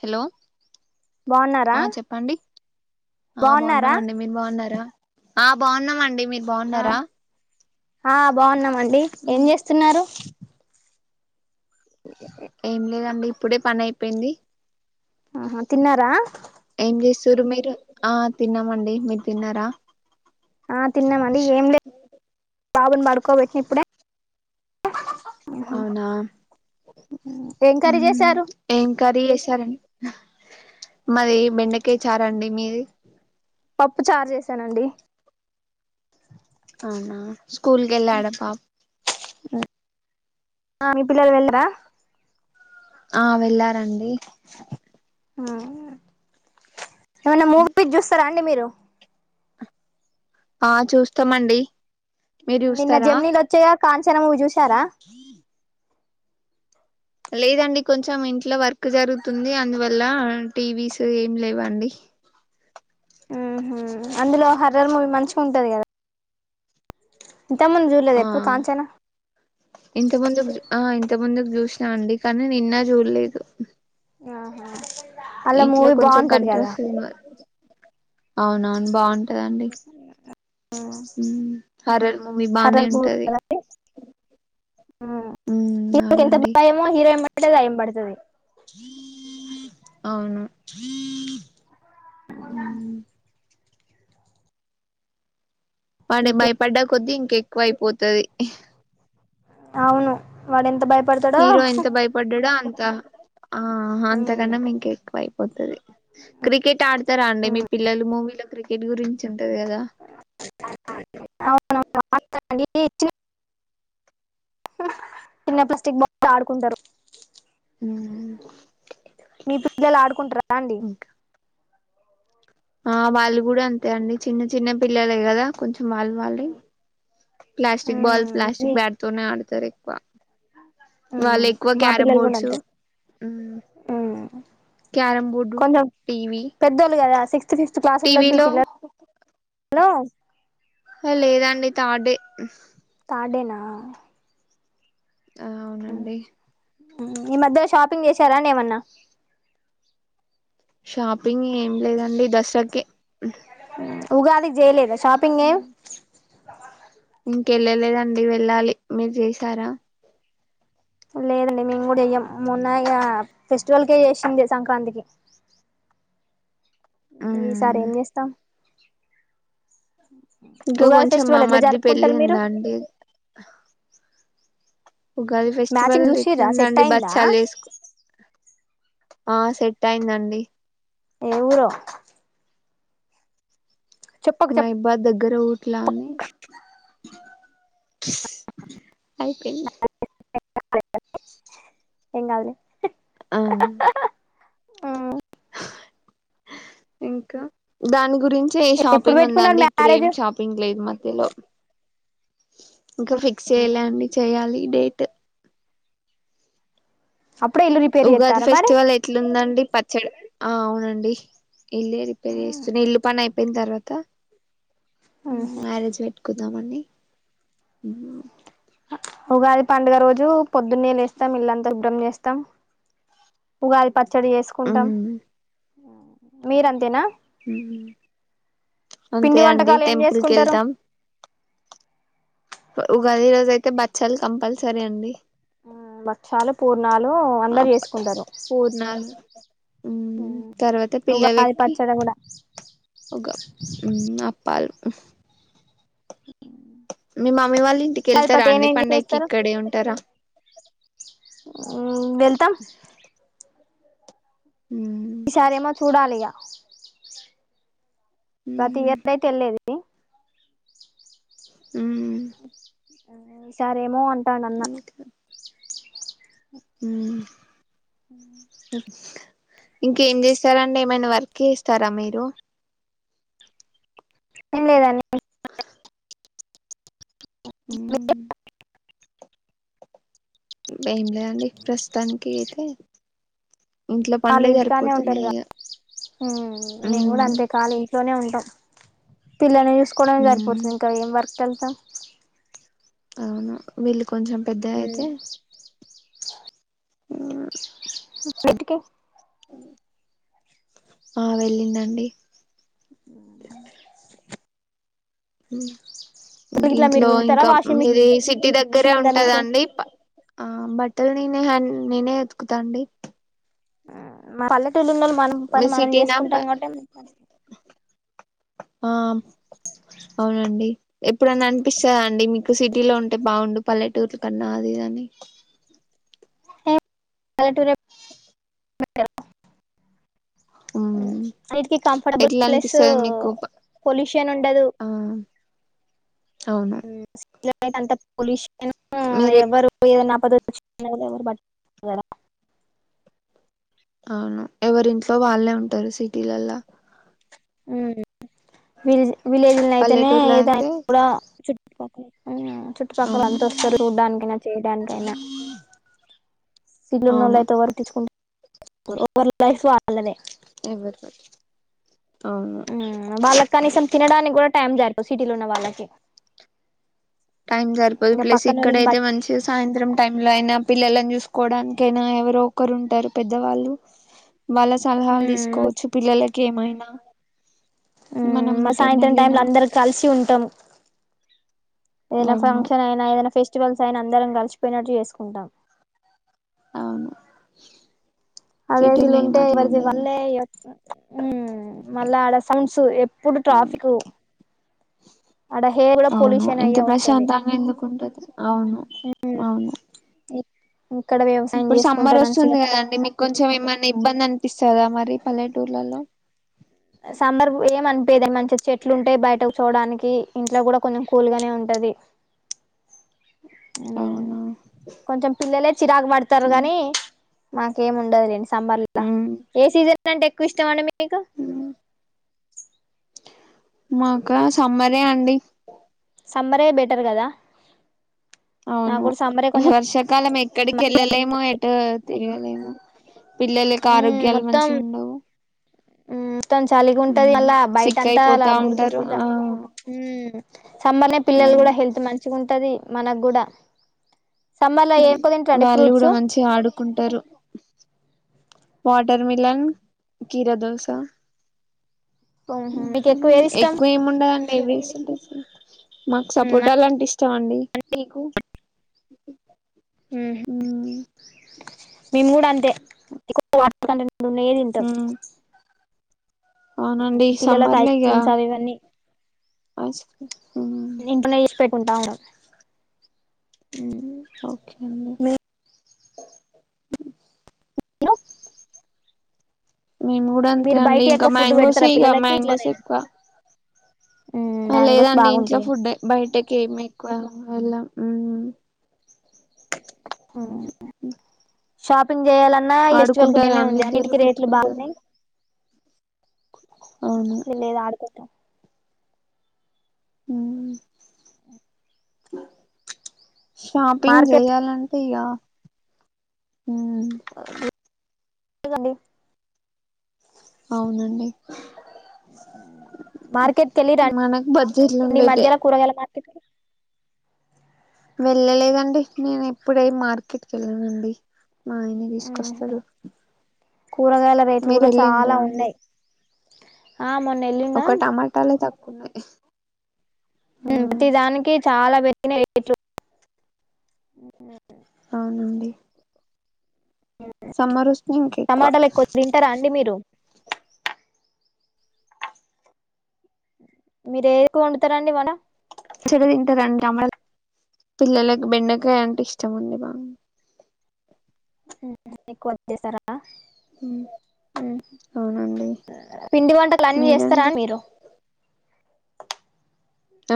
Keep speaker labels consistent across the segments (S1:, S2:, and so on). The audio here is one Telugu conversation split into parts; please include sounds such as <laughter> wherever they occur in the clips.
S1: హలో
S2: బాగున్నారా
S1: ఆ చెప్పండి ఆ
S2: బాగున్నారా
S1: బాగున్నామండి మీరు బాగున్నారా ఆ బాగున్నామండి మీరు
S2: ఆ
S1: బాగున్నారా
S2: ఆ బాగున్నామండి ఏం జేస్తున్నారు ఓకే
S1: ఏం లేదండి ఇప్పుడే పని అయిపోయింది
S2: ఆహ తిన్నారా
S1: ఏం జెస్సురు మీరు ఆ తిన్నామండి మీరు తిన్నారా
S2: ఆ తిన్నామండి ఏం లే బాబన్ పడుకోదా ఇప్పుడే
S1: అవునా
S2: ఏం కర్రీ చేశారు
S1: ఏం కర్రీ చేసారండి మది బెండకాయ చారాండి మీది
S2: పప్పు చార్ చేసానండి
S1: అవునా స్కూల్కి వెళ్లా ఆడపా
S2: మీ పిల్లలు వెళ్ళరా
S1: ఆ వెళ్ళారండి
S2: ఆ ఏమైన్నా మూవీ చూస్తారా అండి మీరు
S1: ఆ చూస్తామండి మీరు
S2: నిన్న
S1: చూస్తారా
S2: జమ్నీలు వచ్చాయా కాంచన నువ్వు చూసారా
S1: లేదండి కొంచెం ఇంట్లో వర్క్ జరుగుతుంది అందువల్ల టీవీస్ ఏమి లేవండి
S2: ఆహా అందులో హర్రర్ మూవీ మంచిగా ఉంటుంది దిగద ఇంతమంది చూడలేదు
S1: ఆ
S2: ఎప్పుడు కాంచానా
S1: ఇంత ముందుకు ఆ ఇంత ముందుకు చూసినా అండి కానీ నిన్న చూడలేదు
S2: ఆహా అలా
S1: ఇంట్లో
S2: మూవీ
S1: కొంచెం
S2: బాగుంటది కదా
S1: కంట్రస్ ఏమా అవునవును బాన్ టదండి హార్రర్ మూవీ బానే
S2: హర్రర్ మూవీ
S1: ఉంటది
S2: కదా ఒకటే దయ్యం పడుతది
S1: అవును
S2: సరిపొద్దా
S1: పంటే భయపడ్డ కొద్ది కెక్కువ అయిపోతది
S2: అవును వాడు ఎంత భయిప్
S1: హీరో ఎంత భయపడ్డాడో అన్ త ఆ అంతకన్నా మీక ఎక్కువ అయిపోతది. క్రికెట్ ఆడతారా అండి మీ పిల్లలు మూవీలో క్రి. ఎట్ గురించో టది కదా
S2: అవును అండి చిన్న ప్లాస్టిక్ బాక్స్ తో ఆడుకుంటరు
S1: హ
S2: మీ పిల్లలు ఆడుకుంటరా అండి
S1: ఆ వాళ్ళు గుడ అంతే అండి చిన్న చిన్న పిల్లలే గదా కొంచెం వాళ్ళు వాళ్ళె ప్లాస్టిక్ బాల్ ప్లాస్టిక్ బ్యాట్ తోనే ఆడతారి వ వాళ్ళెక్కువ
S2: మా
S1: క్యారమ్
S2: పిల్లలు కూడా
S1: బోర్డ్స్
S2: అంతే
S1: క్యారం బోర్డు
S2: కొంచెం
S1: టీవీ
S2: పెద్దోళ్ళు గదా సిక్స్త్ ఫిఫ్త్ క్లాస్ ఉండొచ్చు మీ
S1: టీవీలో
S2: పిల్లలు లో
S1: లేదండి థాడే
S2: ఆడేనా
S1: ఆ అవునండి
S2: ఈ మధ్యలో షాపింగ్ చేసారా అండి ఏమన్నా
S1: షాపింగ్ ఏం లేదండి దసకి
S2: ఉగాదికి జెయలేదా షాపింగేం <inaudible>
S1: కెళ్ళలేదండి వెళ్ళాలి మీరు చేసారా
S2: లేదండి మేము గుడెయ్యం మొన్న ఇగ ఫెస్టివల్కే చేసింది సంక్రాంతికి ఈసారి ఏం చేస్తాం
S1: ఇంకా
S2: ఉగాది
S1: కొంచెం మా
S2: ఫెస్టివల్ ఎట్లా
S1: మర్ది పెళ్లి
S2: జరుపుకుంటారు మీరు
S1: ఉందండి ఉగాది ఫెస్టివల్
S2: మ్యాచింగ్ చూసిర్రా సెట్
S1: ఇట్లుందండి
S2: అయిందా
S1: బచ్చాలు చేస్కు ఆ సెట్టైందండి
S2: ఏ ఊరో చెప్పకు
S1: మా
S2: చెప్
S1: ఇబ్బా దగ్గర ఊట్లా అని అయిపెన్
S2: ఏం గాదులే
S1: దాని గురించే
S2: ఎప్పుడు
S1: షాపింగ్
S2: పెట్టుకున్నారు
S1: ఉందండి,
S2: మ్యారేజ్
S1: ఇప్పుడేం షాపింగ్ లేదు మధ్యలో ఇంకా ఫిక్స్ చెయ్యలే అండి చెయ్యాలి ఇడేట్
S2: అప్పుడే ఇల్లు రిపేర్
S1: ఉగాది
S2: చేస్తారా మరి
S1: ఫెస్టివల్ ఎట్లుందండి పత్ ఆ అవునండి ఇల్లే రిపేర్ చేస్తున్న ఇల్లు పనైపొయిన తర్వాత మ్యారేజ్ వెట్కుత్ నామండి
S2: ఉగాది పండుగ రోజు పొద్దున్నే లేస్తాం ఇల్లంతా ఉబ్రం చేస్తాం ఉగాది పచ్చడి జేసుకుంటాం మీరంతేనా
S1: అంతే
S2: పిండి
S1: అండి
S2: వంటకాలు ఏం
S1: టెంపుల్ కి
S2: చేసుకుంటారు
S1: వెళ్తాం ఉగాది రోజు అయితే బచ్చాలు కంపల్సరీ అండి
S2: బక్షాలు పూర్ణాలు అందరు చేసుకుంటారు
S1: పూర్ణాలు తర్వాత
S2: ఉగాది
S1: పిల్లలకి
S2: పచ్చడి కూడా
S1: హ మీ మమ్మీ వాళ్ళు
S2: ఉగాది
S1: ఇంటికెళ్తారా
S2: పచ్చడి
S1: అండి
S2: ఏమేమి
S1: పండుగకి ఇక్కడే ఉంటారా
S2: ఉమ్ వెళ్తమ్
S1: ఉమ్
S2: ఈసారి ఏమో చూడాలి ఇ గ ప్రతి ఇయర్తే వెళ్లేది ఉ
S1: ఉమ్
S2: అ ఈసారి ఏమో అన్
S1: కా ఉమ్
S2: ఉ అ
S1: ఇంకేం చేస్తారండి ఏమైనా వర్క్ చేస్తారా మీరు
S2: ఏం లేదండీ
S1: ఉమ్ ఏం లేదండి ప్రస్తుతానికి అయితే ఇంట్లో
S2: వాళ్ళు
S1: పనులే
S2: ఇంటికానే
S1: సరిపోతున్నాయి
S2: ఉంటారుగా
S1: ఇగ
S2: ఉమ్ మేము కూడా
S1: ఉమ్
S2: అంతేకాలీ ఇ లోనే ఉంటాం పిల్లలను చూస్ కోవడం
S1: ఉమ్
S2: సరిపోతుంది ఇంకా ఏం వర్క్ ఎల్ త్తమ్
S1: అవును వెళ్ కొంచెం పెద్దగ అయితే ఉ
S2: పాటికి
S1: ఆ వెళ్ళిండండి ఉ
S2: ఇట్లా మీరు
S1: ఇంట్లో
S2: విండుతారా
S1: ఇంకా
S2: వాషింగ్
S1: మీది సిటీ దగ్గరే
S2: మిషన్ ఉందా మీకు
S1: ఉంటదండి పా ఆ బట్ బట్టలు నేనే హన్ నేనే ఉతుకుతా అండి
S2: పల్లె <unintelligible> మన
S1: మీ
S2: పని మనం
S1: సిటీనా
S2: చేసుకుంటాం కావట్టే
S1: ఆ అవునండి ఎప్పుడన్నా అనిపిస్తదా అండి మీకు సిటీలో ఉంటే బాగుండు పల్లెటూర్ల కన్నా అది ఇది అని
S2: పల్లెటూరి బెటరు
S1: మ్మ్
S2: అన్నిటికీ కంఫర్టబుల్
S1: ఎట్లా
S2: ప్లస్
S1: అనిపిస్తది మీకు ప
S2: పొల్యూషన్ ఉండదు
S1: ఆ అవును
S2: గాడైతే అంతా పోలిష్ <unintelligible>
S1: మీరే
S2: ఎవరు ఏదన్న ఆపద వచ్చినా <inaudible>
S1: అవును ఎవరింట్లో వాళ్ళే ఉంటారు సిటీలలా
S2: ఉ వి విలేజ్ అయితేనే
S1: పల్లెటూర్లో
S2: ఏదా
S1: అయితే
S2: నికూడా చుట్ ఓకే అయినా చుట్టుపక్కల
S1: అవును
S2: అంత వస్తారు చూడ్డానికైనా చేయడానికైనా సిల్లు నోళ్ళ
S1: అవును
S2: అయితే <unintelligible> ఓవర్ లైఫ్ వాళ్ళదె
S1: ఎవరు అవును
S2: వాళ్ళకి కనీసం తినడానికి కూడా టైం జరి సిటీలో వున్న వాళ్ళకి
S1: టైం సరిపోదు
S2: ఇంక
S1: ప్లస్
S2: పక్కనోళ్ళని
S1: ఇక్కడైతే
S2: బట్
S1: మంచి సాయంత్రం టైమ్ లో అయినా పిల్లలని చూసు కోవడానికైనా ఎవరో ఒకరు ఉంటారు పెద్దవాళ్ళు వాళ్ళ సలహాలు
S2: మ్మ్
S1: తీసుకోవచ్చు పిల్లల కేమైన
S2: ఉ మా సాయంత్రం టైమ్ లో అందరు కలిసి ఉంటాం ఏదైనా
S1: అవును
S2: ఫంక్షన్ అయినా ఏదైనా ఫె ఫెస్టివల్స్ ఆయన అందరం గలిచిపోయినట్టు చేసుకుంటాం
S1: అవును
S2: అదే <unintelligible>
S1: సిటీలో ఏం
S2: ఉంటే ఎవరిది
S1: అట్లుండదు
S2: వాళ్లే ఉ మళ్ళా ఆడ సౌండ్స్ ఎప్పుడు ట్రాఫికు ఆడ హెయిర్ గూడా
S1: అవును
S2: పొల్యూషన్
S1: ఇంత
S2: అయ్యే ఉంటది
S1: ప్రశాంతంగా ఎందుకుంటది అవును అవును
S2: ఇక్కడ వ్యవసాయం
S1: ఇప్పుడు సమ్మర్
S2: చేసుకుంటారు
S1: వస్తుంది
S2: మంచిగా
S1: గదా అండి మీకు కొం కొంచెం ఏమైనా ఇబ్బందని పిస్తదా మరి పల్లెటూర్లలో
S2: సమ్మర్ ఏమనిపిదు మంచిగా చెట్లు ఉంటయ్ బయట కూర్చొడానికి ఇంట్లో కూడా కొంచెం కూల్ గానే ఉంటది ఉ
S1: అవునా
S2: కొంచెం పిల్లలే చిరాకు పడతారు
S1: ఉమ్,
S2: గాని మాకేమి ఉండదు లెండి సమ్మర్ ఇళ్ళ
S1: ఉమ్,
S2: ఏ సీజన్ సీజన్ అంటే ఎక్కువ ఇష్టం అండి మీకు
S1: ఉమ్. మాకా సమ్మరే అండి
S2: సమ్మర్ హే బెటర్ కదా నాకు
S1: అవును
S2: కూడా సమ్మరే కొంచెం
S1: వర్ష కాలం ఎక్కడికి వెళ్ళలేము ఎటు తిరగలేము పిల్లల కి ఆరోగ్యాలు మంచిగుండవు
S2: హు మొత్తం చలిగుంటది మళ్ళ
S1: సిక్
S2: బయటంతా అల
S1: అయిపోతా
S2: బుర్ద
S1: ఉంటారు
S2: బురద
S1: ఆ
S2: సమ్మర్ ల నే
S1: ఆ
S2: పిల్లలు కూడా హెల్త్ మంచి ఉంటది మనగ్గుడా
S1: ఎం లే వాళ్ళు కూడా మంచిగ ఆడుకుంటారు వాటర్ మిలన్ కీరా దోసా
S2: హమ్ హు మీకు ఎక్కువ ఏది ఇష్టం
S1: ఉండదండి ఏవి <unintelligible> మాకు సపోటా లంటే ఇష్ ష్టం మండి మీకు
S2: మ్
S1: మ్మ్
S2: మేము కూడా అంతే <unintelligible> ఇప్పుడున్నయే తింటం
S1: మ్మ్ అవునండి
S2: హు పిల్లలకు ఐస్
S1: సమ్మర్లో ఇక
S2: క్రీమ్స్ అవి ఇవన్నీ
S1: ఐస్ మ్మ్
S2: ఇంట్లనే చేస్ పెట్ కుంట ఉంటా
S1: ఓకే అండి
S2: మీరు
S1: మేము కూడా అంతే
S2: మీరు
S1: అండి
S2: బయట
S1: ఇంకా
S2: యొక్క ఫుడ్
S1: మ్యాంగోస్
S2: పెడతారా
S1: ఇగ
S2: పిల్లలకి
S1: మ్యాంగోస్
S2: ఇట్లనేనా
S1: ఎక్కువ ఆ
S2: మ్యాంగోస్
S1: లేదండి ఇంట్లో
S2: బాగుంటాయి
S1: ఫుడ్ బయటకి ఏమి ఎక్కువ ఎలం ఉమ్
S2: హు
S1: అ
S2: షాపింగ్ చేయాలన్నా ఎస్ట్వళకునేమే
S1: అండి
S2: ఉంది
S1: ఇద్దరు
S2: అన్నిటికి రేట్లు
S1: కొట్టుకుంటారు
S2: బాగున్నాయి
S1: అవును
S2: లేదు ఆడుకుంటరు
S1: హుమ్ షాపింగ్
S2: మార్కెట్
S1: చేయ్యాలంటే ఇగ
S2: అ డి <unintelligible>
S1: అవునండి
S2: మార్కెట్కి వెళ్ళి రండి
S1: మనకు బడ్జెట్లు
S2: ఈ
S1: ఉండేదే
S2: మధ్యలో కూరగాయల మార్కెట్
S1: వెళ్ళలేదండి నేను ఇప్పుడే మార్కెట్కి వెళ్ళనండి. మా ఆయన తీసుకొస్తడు
S2: కూరగాయల రేట్లు
S1: మీరు
S2: కూడా
S1: వెళ్ళిం
S2: చాలా
S1: రా అండి
S2: ఉన్నాయి ఆ మొన్న వెళ్ళిన
S1: ఒక టమాటాలే ఉన్నా
S2: ప్రతి దానికి చాలా రేట్లు
S1: అవునండి. సమ్మర్ వస్తే ఇంక
S2: టమాటాలు ఎక్కువ తింటారా అండి మీరు మీరు ఏది ఎక్కువ వండుతారండి వంట
S1: మా చెల్లె తింటదండి టమా <inaudible> పిల్లలకి బెండకాయ అంటే ఇష్ట ముండదు బాగా
S2: ఎక్కవ చేస్తారా ఆ ఉ
S1: అవునండి
S2: పిండి వంటలు అన్ని చేస్తారా
S1: మీరండి
S2: మీరు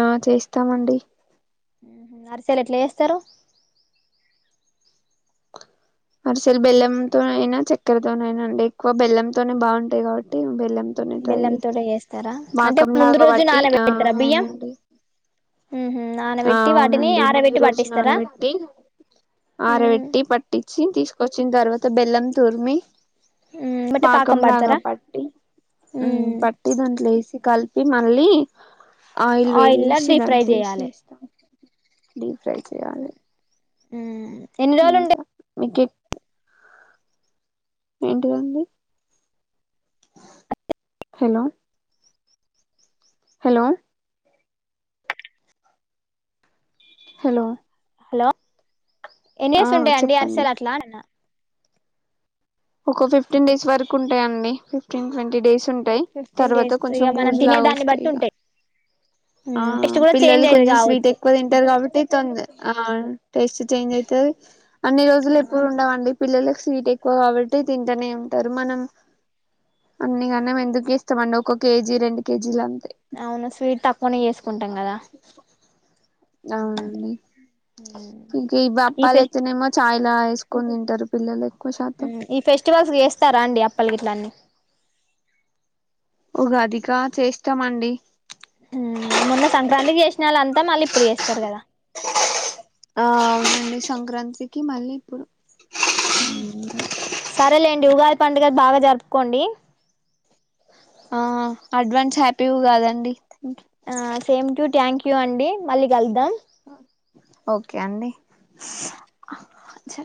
S1: ఆ చేస్తామండి.
S2: అరిసేలు ఎట్లా చేస్తారు
S1: అరిసేలు బెల్లంతోనైన అయినా చక్కెరతోనయినా అండి ఎక్కువ బెల్లంంతోనే బాగుంటాయి కాబట్టి బెల్లం
S2: బెల్లం తోటే చేస్తారా అంటే ముందు
S1: పాకంలాగా
S2: రోజు
S1: పట్టి
S2: నాన్న
S1: ఆ
S2: పెడతారా బియ్యం
S1: అవునండి
S2: ఉహు
S1: ఆ
S2: నానబెట్టి వాటిని
S1: అవునండి ముందు
S2: ఆరబెట్టి
S1: రోజు
S2: పట్టిస్తారా
S1: నానబెట్టి ఆరబెట్టి పట్టించి తీస్ కొచ్చిన తర్వాత బెల్లం తూర్మి
S2: బట్టే పాకం
S1: పాకంలాగా
S2: పడతారా
S1: పట్టి ఉ పట్టి దాంట్లో వేసి కలిపి ఇ మల్లి ఆయిల్ వేడి
S2: ఆయిల్లా
S1: వేసి
S2: డీప్ ఫ్రై
S1: దాంట్లేసి
S2: చేయాలి
S1: చేస్తం డీప్ ఫ్రై చేయాలి
S2: హు
S1: ఇంకా <unintelligible> ఏంటిదండి హలో హలో హలో
S2: హలో ఎన్
S1: ఆ
S2: డేస్ ఉంటాయండి
S1: చెప్పండి
S2: అరిసలు అట్లా అన్న
S1: ఒక ఫిఫ్టీన్ డేస్ వరకు ఉంటాయండి ఫిఫ్టీన్ ట్వంటీ డేస్ ఉంటాయి
S2: ఫిఫ్టీన్
S1: తర్వాత
S2: డేస్
S1: కొంచెం
S2: ఇక మనం
S1: బూజ
S2: తినే
S1: లాగా
S2: దాన్ని
S1: వస్తాయి
S2: బట్టి
S1: ఇక
S2: ఉంటాయి
S1: ఆ
S2: టేస్ట్ కూడా
S1: పిల్లలు
S2: చేంజ్ అయ్యేది
S1: కొంచెం స్వీట్
S2: కావచ్చు
S1: ఎక్కువ తింటారు కాబట్టి <unintelligible> ఆ టేస్ట్ చేంజ్ ఐతది అన్ని రోజులు ఎప్పుడు ఉండవుండి పిల్లలకు స్వీట్ ఎక్కువ కాబట్టి తి తింటూనే ఉంటారు మనం అన్నికనం ఎందుకు ఇస్తామండి ఒక కేజీ రెండు కేజీలు అంత
S2: అవును స్వీట్ తక్కువనే చేసుకుంటాం కదా
S1: అవునండి ఇంక ఇవి
S2: ఈ
S1: అప్పాలు
S2: ఫెస్
S1: ఐతేనేమో చా చాయ్లా యేసుకొని తింటారు పిల్లల
S2: ఈ ఫెస్టివల్స్ కి జేస్తారా అండి అప్ప ప్పల్గిట్లన్ని
S1: ఉగాదిక చేస్తామండి
S2: ఉ మొన్న సంక్రాంతి చేసిన వాళ్ంతా మళ్ళీ ఇప్పుడు జేస్తారు కదా
S1: ఆ అవునండి సంక్రాంతికి మళ్ళీ ఇప్పుడు
S2: సరేలేండి ఉగాది పండుగలు బాగా జరుపుకోండి
S1: ఆ అడ్వాన్స్ హ్యాపీ ఉగాదండి
S2: ఆ సేమ్ టు థ్యాంక్ యూ అండి మళ్ళీ కలుద్దాం
S1: ఓకే అండి
S2: స
S1: స